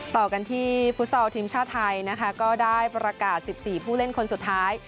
ต่อกันที่ฟุตซอลทีมชาติไทยนะคะก็ได้ประกาศ๑๔ผู้เล่นคนสุดท้าย